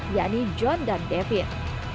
yakni john dan david